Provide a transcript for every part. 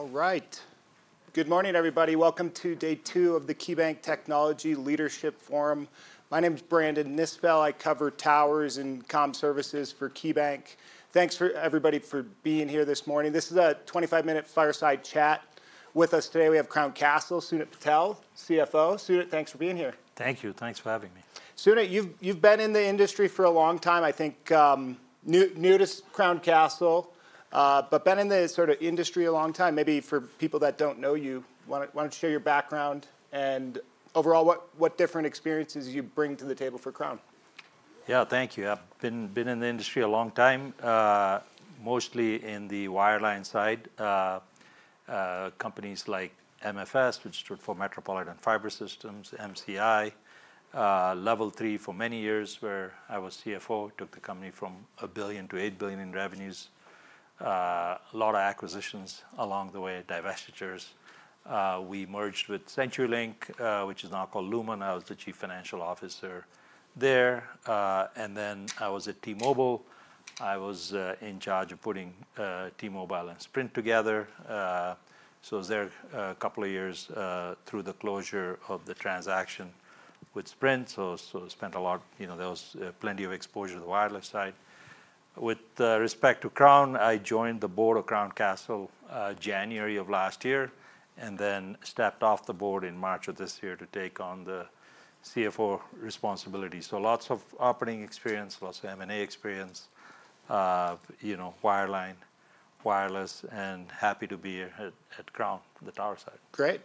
All right. Good morning, everybody. Welcome to day two of the KeyBanc Technology Leadership Forum. My name is Brandon Nisbell. I cover towers and comms services for KeyBanc. Thanks for everybody for being here this morning. This is a 25-minute fireside chat. With us today, we have Crown Castle, Sunit Patel, CFO. Sunit, thanks for being here. Thank you. Thanks for having me. Sunit, you've been in the industry for a long time. I think, new to Crown Castle, but been in the sort of industry a long time. Maybe for people that don't know you, why don't you share your background and overall what different experiences you bring to the table for Crown? Yeah, thank you. I've been in the industry a long time, mostly in the wireline side, companies like MFS, which stood for Metropolitan Fiber Systems, MCI, Level 3 for many years, where I was CFO, took the company from $1 billion to $8 billion in revenues, a lot of acquisitions along the way, divestitures. We merged with CenturyLink, which is now called Lumen. I was the Chief Financial Officer there, and then I was at T-Mobile. I was in charge of putting T-Mobile and Sprint together. I was there a couple of years, through the closure of the transaction with Sprint. I spent a lot, you know, there was plenty of exposure to the wireless side. With respect to Crown, I joined the Board of Crown Castle January of last year and then stepped off the Board in March of this year to take on the CFO responsibility. Lots of operating experience, lots of M&A experience, you know, wireline, wireless, and happy to be here at Crown, the tower side. Great.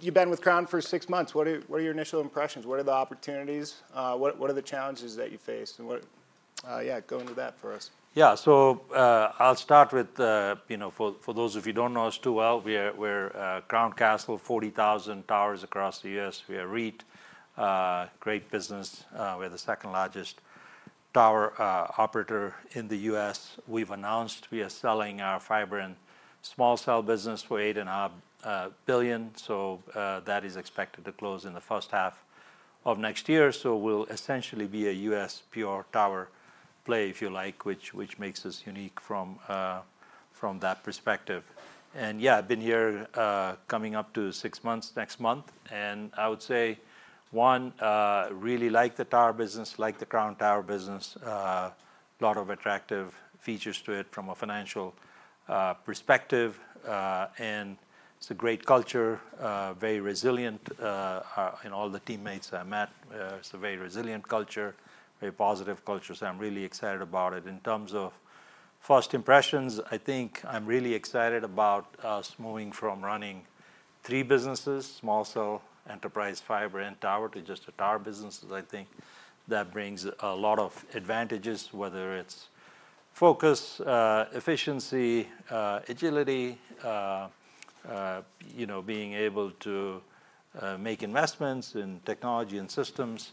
You've been with Crown Castle for six months. What are your initial impressions? What are the opportunities? What are the challenges that you faced? Yeah, go into that for us. Yeah, so I'll start with, you know, for those of you who don't know us too well, we're Crown Castle, 40,000 towers across the U.S. We are a REIT, great business. We're the second largest tower operator in the U.S. We've announced we are selling our fiber and small cell business for $8.5 billion. That is expected to close in the first half of next year. We'll essentially be a U.S. pure tower play, if you like, which makes us unique from that perspective. I've been here coming up to six months next month. I would say, one, I really like the tower business, like the Crown Castle tower business, a lot of attractive features to it from a financial perspective. It's a great culture, very resilient. All the teammates I met, it's a very resilient culture, very positive culture. I'm really excited about it. In terms of first impressions, I think I'm really excited about us moving from running three businesses, small cell, enterprise, fiber, and tower to just a tower business. I think that brings a lot of advantages, whether it's focus, efficiency, agility, you know, being able to make investments in technology and systems.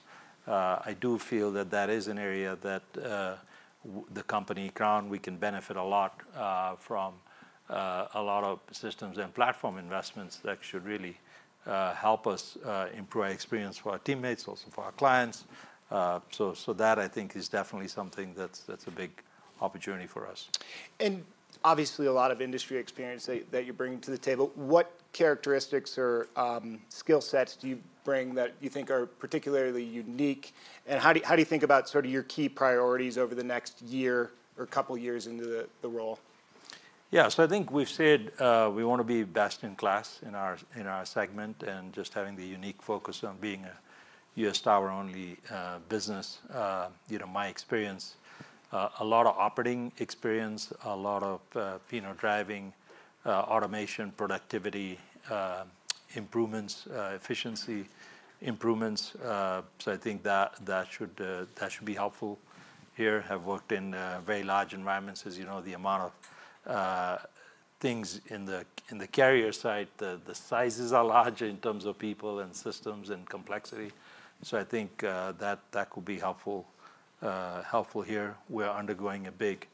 I do feel that that is an area that the company, Crown Castle, we can benefit a lot from, a lot of systems and platform investments that should really help us improve our experience for our teammates, also for our clients. That I think is definitely something that's a big opportunity for us. You bring a lot of industry experience to the table. What characteristics or skill sets do you bring that you think are particularly unique? How do you think about your key priorities over the next year or a couple of years into the role? Yeah, so I think we've said we want to be best in class in our segment and just having the unique focus on being a U.S. tower-only business. My experience, a lot of operating experience, a lot of driving automation, productivity improvements, efficiency improvements. I think that should be helpful here. I have worked in very large environments. As you know, the amount of things in the carrier side, the sizes are large in terms of people and systems and complexity. I think that could be helpful here. We're undergoing a big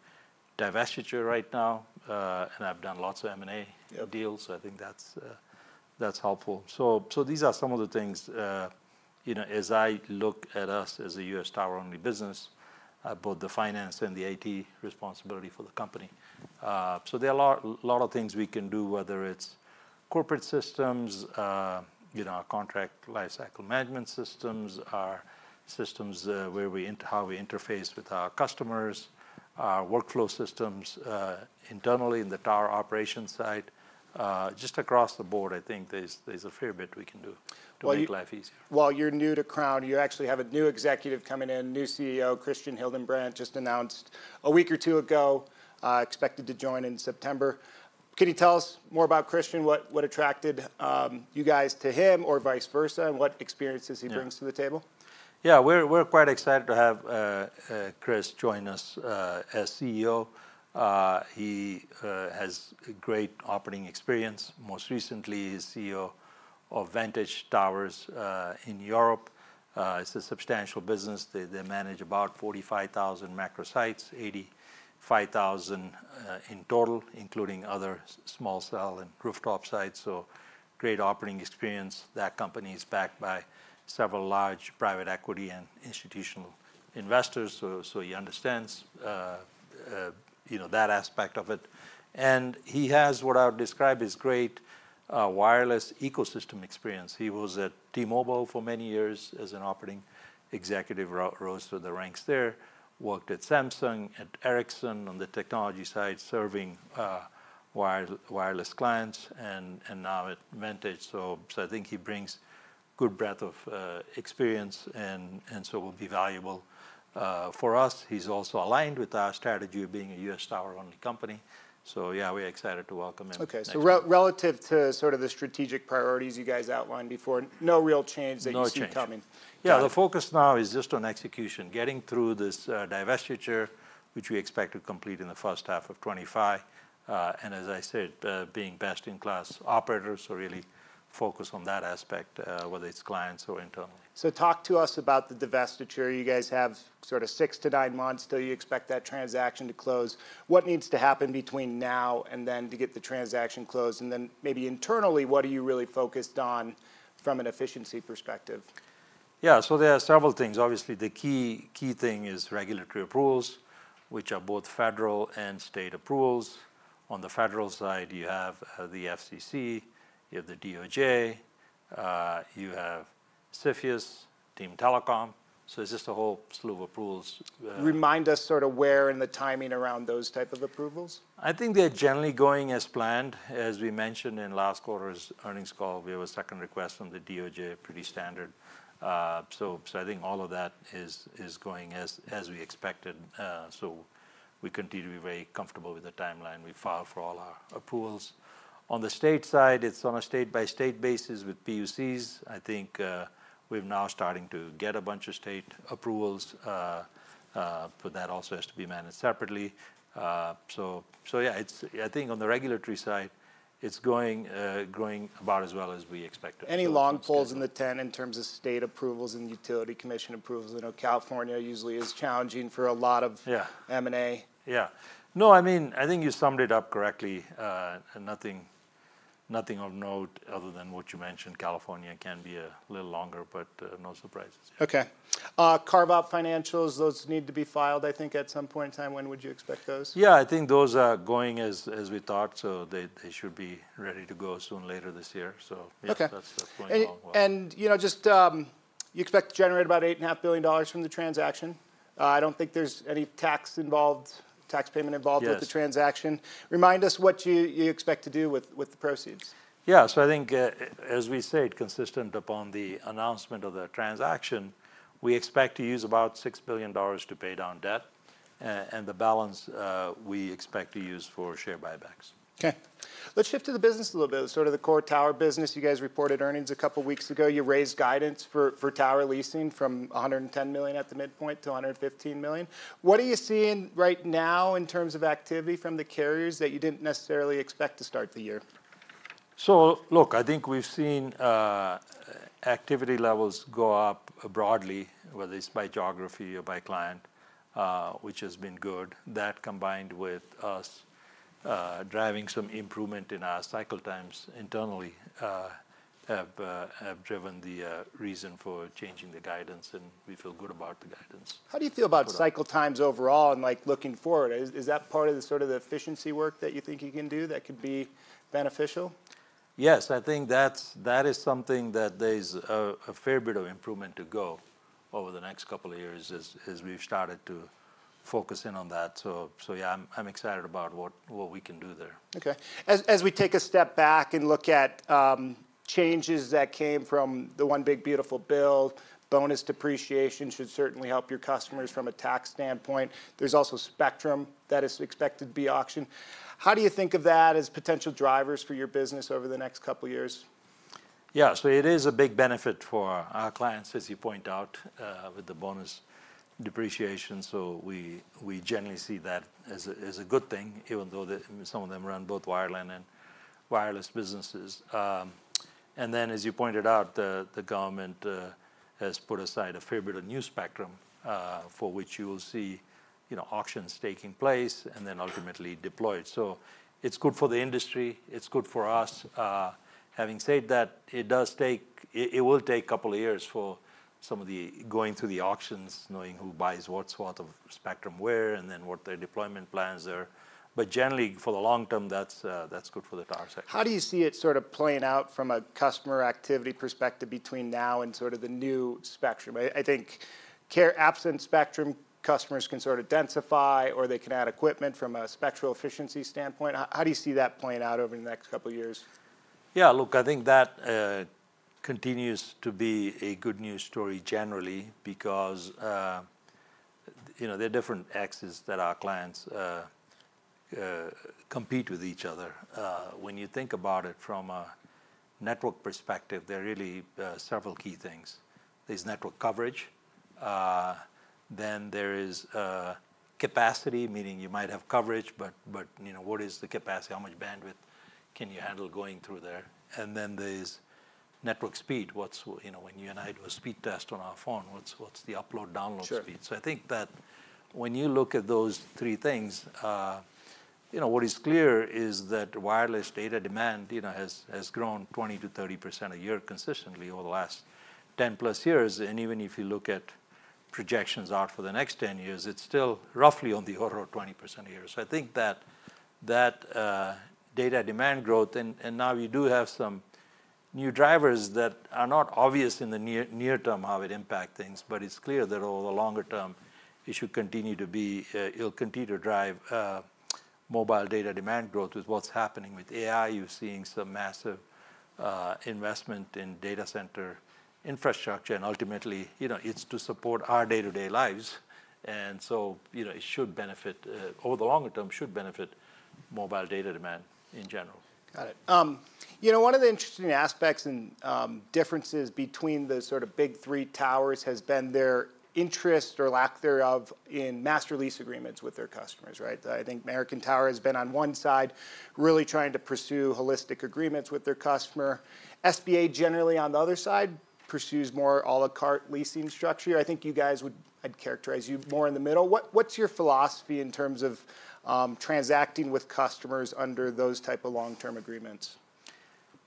divestiture right now, and I've done lots of M&A deals. I think that's helpful. These are some of the things, as I look at us as a U.S. tower-only business, both the finance and the IT responsibility for the company. There are a lot of things we can do, whether it's corporate systems, our contract lifecycle management systems, our systems where we interface with our customers, our workflow systems internally in the tower operations side. Just across the board, I think there's a fair bit we can do to make life easier. While you're new to Crown Castle, you actually have a new executive coming in, new CEO, Christian Hildenbrand, just announced a week or two ago, expected to join in September. Could you tell us more about Christian? What attracted you guys to him or vice versa? What experiences he brings to the table? Yeah, we're quite excited to have Christian Hildenbrand join us as CEO. He has great operating experience. Most recently, he's CEO of Vantage Towers in Europe. It's a substantial business. They manage about 45,000 macro sites, 85,000 in total, including other small cell and rooftop sites. Great operating experience. That company is backed by several large private equity and institutional investors, so he understands that aspect of it. He has what I would describe as great wireless ecosystem experience. He was at T-Mobile for many years as an operating executive, rose through the ranks there, worked at Samsung, at Ericsson on the technology side serving wireless clients, and now at Vantage. I think he brings a good breadth of experience and will be valuable for us. He's also aligned with our strategy of being a U.S. tower-only company. We're excited to welcome him. Okay, relative to the strategic priorities you guys outlined before, no real change that you see coming. Yeah, the focus now is just on execution, getting through this divestiture, which we expect to complete in the first half of 2025. As I said, being best-in-class operators, really focus on that aspect, whether it's clients or internal. Talk to us about the divestiture. You guys have sort of six to nine months till you expect that transaction to close. What needs to happen between now and then to get the transaction closed? Maybe internally, what are you really focused on from an efficiency perspective? Yeah, there are several things. Obviously, the key thing is regulatory approvals, which are both federal and state approvals. On the federal side, you have the FCC, you have the DOJ, you have CFIUS, Team Telecom. It's just a whole slew of approvals. Remind us where in the timing around those types of approvals. I think they're generally going as planned. As we mentioned in last quarter's earnings call, we have a second request from the DOJ, pretty standard. I think all of that is going as we expected. We continue to be very comfortable with the timeline we've filed for all our approvals. On the state side, it's on a state-by-state basis with PUCs. I think we're now starting to get a bunch of state approvals, but that also has to be managed separately. I think on the regulatory side, it's going about as well as we expected. Any long poles in the tent in terms of state approvals and utility commission approvals? I know California usually is challenging for a lot of M&A. Yeah. No, I mean, I think you summed it up correctly. Nothing of note other than what you mentioned. California can be a little longer, but no surprise. Okay. Carve-out financials, those need to be filed, I think, at some point in time. When would you expect those? Yeah, I think those are going as we talked. They should be ready to go soon, later this year. That's going a long way. You expect to generate about $8.5 billion from the transaction. I don't think there's any tax payment involved with the transaction. Remind us what you expect to do with the proceeds. Yeah, I think, as we said, consistent upon the announcement of the transaction, we expect to use about $6 billion to pay down debt. The balance we expect to use for share buybacks. Okay. Let's shift to the business a little bit. Sort of the core tower business. You guys reported earnings a couple of weeks ago. You raised guidance for tower leasing from $110 million at the midpoint to $115 million. What are you seeing right now in terms of activity from the carriers that you didn't necessarily expect to start the year? I think we've seen activity levels go up broadly, whether it's by geography or by client, which has been good. That combined with us driving some improvement in our cycle times internally have driven the reason for changing the guidance, and we feel good about the guidance. How do you feel about cycle times overall, and looking forward, is that part of the sort of the efficiency work that you think you can do that could be beneficial? Yes, I think that is something that there's a fair bit of improvement to go over the next couple of years as we've started to focus in on that. I'm excited about what we can do there. Okay. As we take a step back and look at changes that came from the one big beautiful bill, bonus depreciation should certainly help your customers from a tax standpoint. There's also spectrum that is expected to be auctioned. How do you think of that as potential drivers for your business over the next couple of years? Yeah, so it is a big benefit for our clients, as you point out, with the bonus depreciation. We generally see that as a good thing, even though some of them run both wireline and wireless businesses. As you pointed out, the government has put aside a fair bit of new spectrum for which you will see auctions taking place and then ultimately deployed. It is good for the industry. It is good for us. Having said that, it will take a couple of years for some of the going through the auctions, knowing who buys what sort of spectrum where, and then what their deployment plans are. Generally, for the long term, that's good for the tower sector. How do you see it sort of playing out from a customer activity perspective between now and sort of the new spectrum? I think, absent spectrum, customers can sort of densify or they can add equipment from a spectral efficiency standpoint. How do you see that playing out over the next couple of years? Yeah, look, I think that continues to be a good news story generally because there are different axes that our clients compete with each other. When you think about it from a network perspective, there are really several key things. There's network coverage. Then there is capacity, meaning you might have coverage, but what is the capacity? How much bandwidth can you handle going through there? Then there's network speed. When you and I do a speed test on our phone, what's the upload-download speed? I think that when you look at those three things, what is clear is that wireless data demand has grown 20%-30% a year consistently over the last 10+ years. Even if you look at projections out for the next 10 years, it's still roughly on the order of 20% a year. I think that data demand growth, and now we do have some new drivers that are not obvious in the near term how it impacts things, but it's clear that over the longer term, it should continue to be, it'll continue to drive mobile data demand growth with what's happening with AI. You're seeing some massive investment in data center infrastructure, and ultimately, it's to support our day-to-day lives. It should benefit, over the longer term, should benefit mobile data demand in general. Got it. One of the interesting aspects and differences between the sort of big three towers has been their interest or lack thereof in master lease agreements with their customers, right? I think American Tower has been on one side really trying to pursue holistic agreements with their customer. SBA generally on the other side pursues more à la carte leasing structure. I think you guys would, I'd characterize you more in the middle. What's your philosophy in terms of transacting with customers under those types of long-term agreements?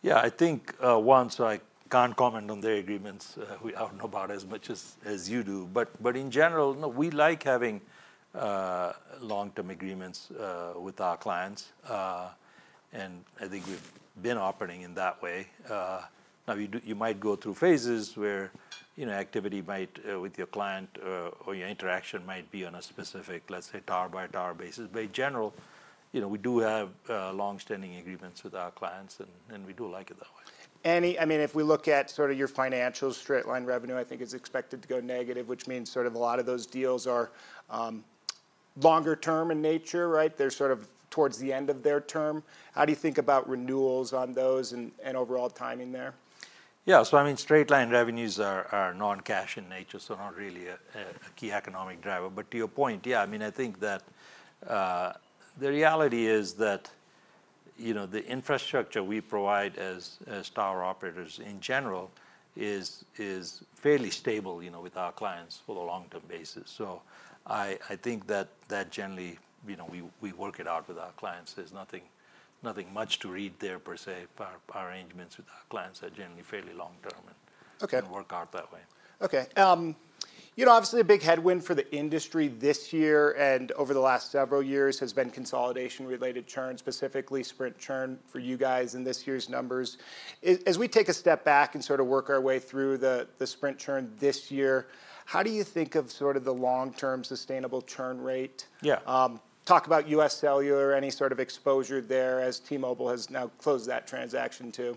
Yeah, I think once I can't comment on their agreements, I don't know about as much as you do. In general, no, we like having long-term agreements with our clients. I think we've been operating in that way. You might go through phases where activity with your client or your interaction might be on a specific, let's say, tower by tower basis. In general, we do have longstanding agreements with our clients and we do like it that way. If we look at sort of your financials, straight line revenue, I think is expected to go negative, which means sort of a lot of those deals are longer term in nature, right? They're sort of towards the end of their term. How do you think about renewals on those and overall timing there? Yeah, straight line revenues are non-cash in nature, so not really a key economic driver. To your point, I think that the reality is that the infrastructure we provide as tower operators in general is fairly stable with our clients on a long-term basis. I think that generally we work it out with our clients. There's nothing much to read there per se. Our arrangements with our clients are generally fairly long-term and work out that way. Okay. Obviously, a big headwind for the industry this year and over the last several years has been consolidation-related churn, specifically Sprint churn for you guys in this year's numbers. As we take a step back and sort of work our way through the Sprint churn this year, how do you think of the long-term sustainable churn rate? Talk about US Cellular, any sort of exposure there as T-Mobile has now closed that transaction too.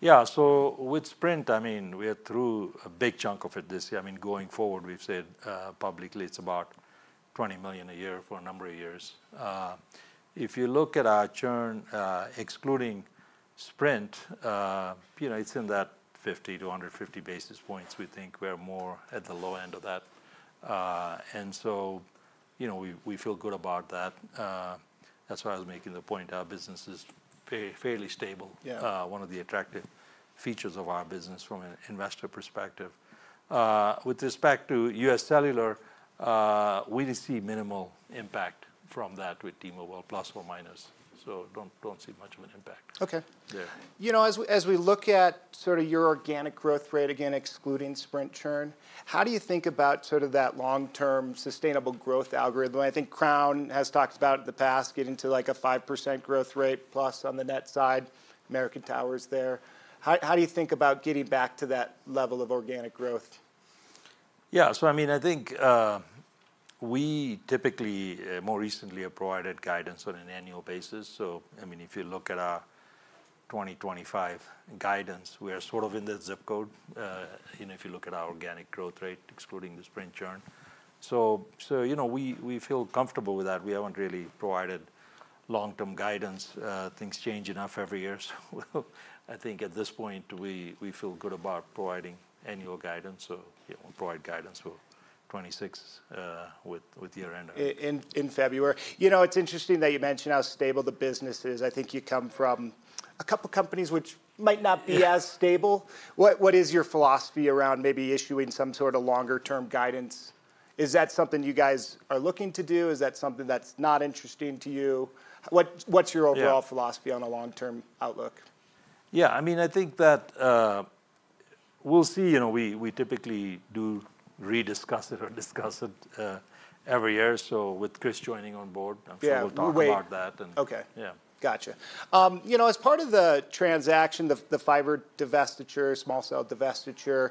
Yeah, so with Sprint, I mean, we are through a big chunk of it this year. Going forward, we've said publicly it's about $20 million a year for a number of years. If you look at our churn, excluding Sprint, it's in that 50 basis points-150 basis points. We think we're more at the low end of that, and we feel good about that. That's why I was making the point our business is fairly stable, which is one of the attractive features of our business from an investor perspective. With respect to US Cellular, we see minimal impact from that with T-Mobile, plus or minus. Do not see much of an impact. Okay. You know, as we look at sort of your organic growth rate, again, excluding Sprint churn, how do you think about sort of that long-term sustainable growth algorithm? I think Crown Castle has talked about it in the past, getting to like a 5% growth rate plus on the net side, American Tower is there. How do you think about getting back to that level of organic growth? Yeah, I think we typically more recently have provided guidance on an annual basis. If you look at our 2025 guidance, we're sort of in the zip code, you know, if you look at our organic growth rate, excluding the Sprint churn. We feel comfortable with that. We haven't really provided long-term guidance. Things change enough every year. At this point, we feel good about providing annual guidance. We'll provide guidance for 2026 with year-end. In February, it's interesting that you mentioned how stable the business is. I think you come from a couple of companies which might not be as stable. What is your philosophy around maybe issuing some sort of longer-term guidance? Is that something you guys are looking to do? Is that something that's not interesting to you? What's your overall philosophy on a long-term outlook? Yeah, I mean, I think that we'll see. You know, we typically do rediscuss it or discuss it every year. With Kris joining on board, I'm sure we'll talk about that. Okay. Gotcha. As part of the transaction, the fiber divestiture, small cell divestiture,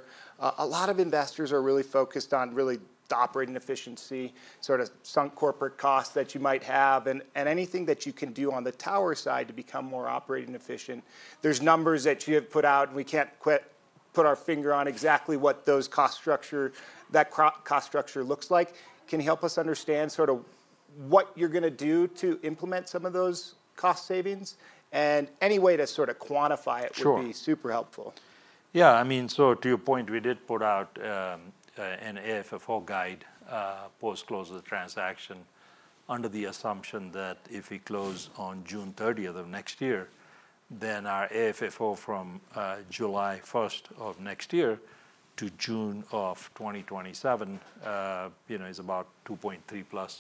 a lot of investors are really focused on the operating efficiency, sort of sunk corporate costs that you might have, and anything that you can do on the tower side to become more operating efficient. There are numbers that you have put out, and we can't quite put our finger on exactly what that cost structure looks like. Can you help us understand what you're going to do to implement some of those cost savings? Any way to quantify it would be super helpful. Yeah, I mean, to your point, we did put out an AFFO guide post-closure of the transaction under the assumption that if we close on June 30, 2025, then our AFFO from July 1, 2025 to June 2027 is about $2.3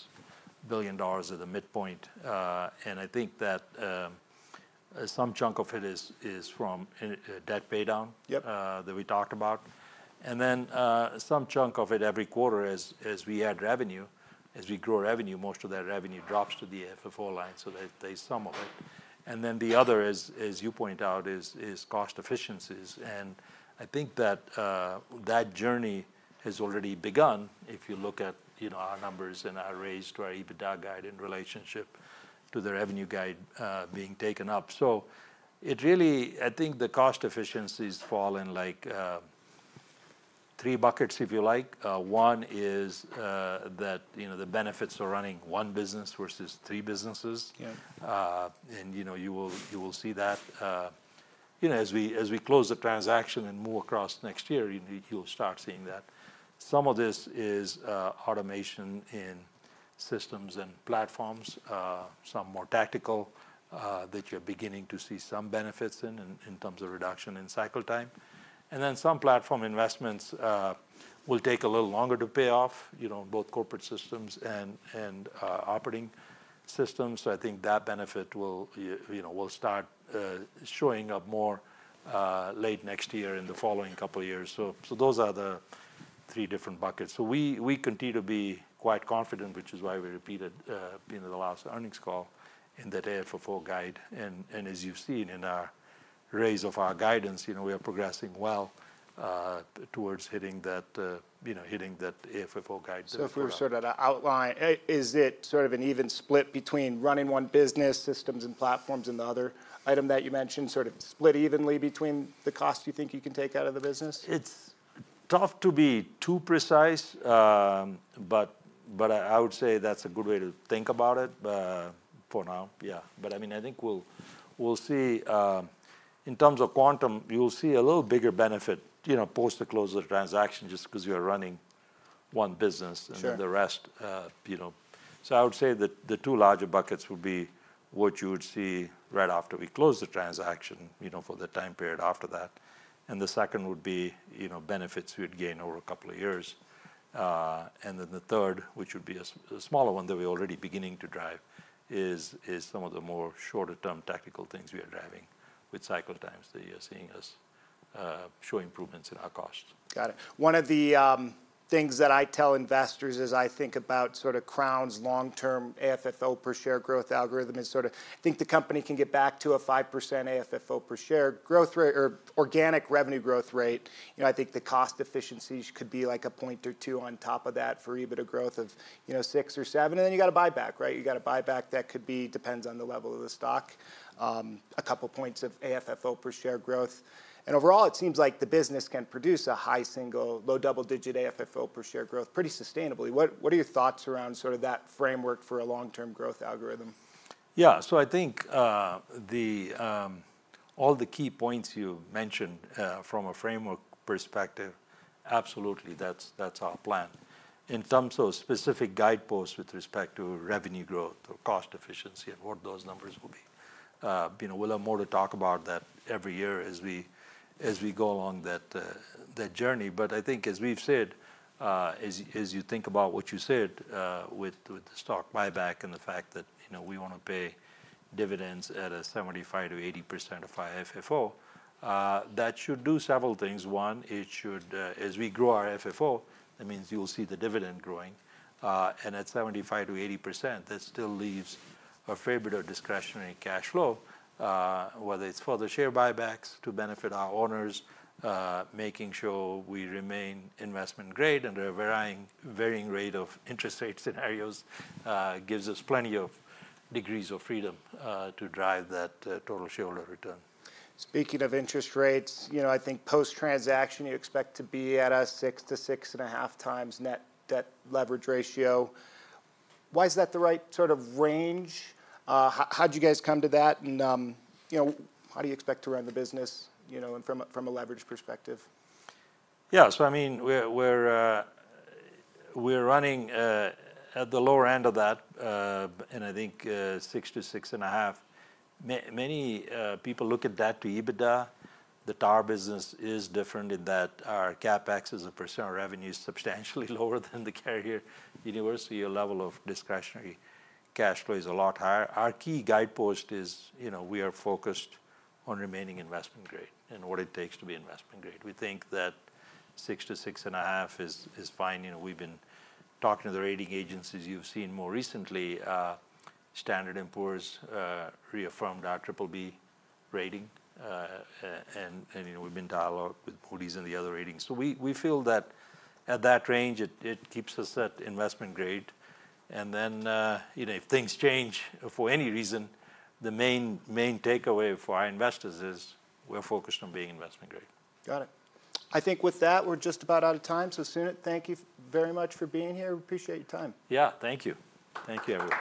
billion+ at the midpoint. I think that some chunk of it is from debt pay down that we talked about. Some chunk of it every quarter as we add revenue, as we grow revenue, most of that revenue drops to the AFFO line. There's some of it. The other is, as you point out, cost efficiencies. I think that journey has already begun if you look at our numbers and our raise to our EBITDA guide in relationship to the revenue guide being taken up. It really, I think the cost efficiencies fall in three buckets, if you like. One is that the benefits are running one business versus three businesses. You will see that as we close the transaction and move across next year, you'll start seeing that. Some of this is automation in systems and platforms, some more tactical that you're beginning to see some benefits in in terms of reduction in cycle time. Some platform investments will take a little longer to pay off, both corporate systems and operating systems. I think that benefit will start showing up more late next year in the following couple of years. Those are the three different buckets. We continue to be quite confident, which is why we repeated the last earnings call in that AFFO guide. As you've seen in our raise of our guidance, we are progressing well towards hitting that AFFO guide. Is it sort of an even split between running one business, systems and platforms, and the other item that you mentioned, sort of split evenly between the cost you think you can take out of the business? It's tough to be too precise, but I would say that's a good way to think about it for now. I think we'll see, in terms of quantum, you'll see a little bigger benefit post the close of the transaction just because you're running one business and then the rest. I would say that the two larger buckets would be what you would see right after we close the transaction for the time period after that. The second would be benefits we'd gain over a couple of years. The third, which would be a smaller one that we're already beginning to drive, is some of the more shorter-term tactical things we are driving with cycle times that you're seeing us show improvements in our cost. Got it. One of the things that I tell investors as I think about sort of Crown Castle's long-term AFFO per share growth algorithm is, I think the company can get back to a 5% AFFO per share growth rate or organic revenue growth rate. I think the cost efficiencies could be like a point or two on top of that for EBITDA growth of 6% or 7%. You got to buy back, right? You got to buy back. That could be, depends on the level of the stock, a couple of points of AFFO per share growth. Overall, it seems like the business can produce a high single, low double-digit AFFO per share growth pretty sustainably. What are your thoughts around that framework for a long-term growth algorithm? Yeah, I think all the key points you mentioned from a framework perspective, absolutely, that's our plan. In terms of specific guideposts with respect to revenue growth or cost efficiency and what those numbers will be, we'll have more to talk about that every year as we go along that journey. I think, as we've said, as you think about what you said with the stock buyback and the fact that we want to pay dividends at 75%-80% of our AFFO, that should do several things. One, it should, as we grow our AFFO, that means you'll see the dividend growing. At 75%-80%, that still leaves a fair bit of discretionary cash flow, whether it's for the share buybacks to benefit our owners, making sure we remain investment-grade, and the varying rate of interest rate scenarios gives us plenty of degrees of freedom to drive that total shareholder return. Speaking of interest rates, I think post-transaction, you expect to be at a 6x-6.5x net debt leverage ratio. Why is that the right sort of range? How did you guys come to that? You know, how do you expect to run the business, you know, and from a leverage perspective? Yeah, so I mean, we're running at the lower end of that, and I think 6x-6.5x. Many people look at that to EBITDA. The tower business is different in that our CapEx as a % of revenue is substantially lower than the carrier. Universally, your level of discretionary cash flow is a lot higher. Our key guidepost is, you know, we are focused on remaining investment-grade and what it takes to be investment-grade. We think that 6x-6.5x is fine. You know, we've been talking to the rating agencies you've seen more recently. Standard & Poor's reaffirmed our triple B rating, and you know, we've been dialogued with Moody's and the other ratings. We feel that at that range, it keeps us at investment-grade. If things change for any reason, the main takeaway for our investors is we're focused on being investment-grade. Got it. I think with that, we're just about out of time. Sunit, thank you very much for being here. Appreciate your time. Yeah, thank you. Thank you, everyone.